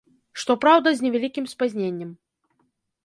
Што праўда, з невялікім спазненнем.